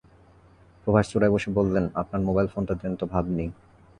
প্রভাষ চূড়ায় বসে বললেন, আপনার মোবাইল ফোনটা দেন তো, ভাব নিই।